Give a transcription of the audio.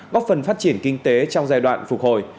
góp phần phát triển kinh tế trong giai đoạn phục hồi